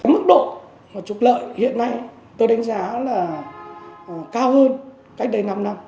mức độ trục lợi hiện nay tôi đánh giá là cao hơn cách đây năm năm